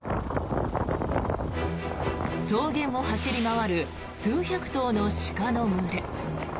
草原を走り回る数百頭の鹿の群れ。